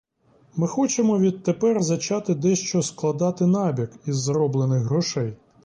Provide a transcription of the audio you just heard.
Ми хочемо відтепер зачати дещо складати набік із зароблених грошей.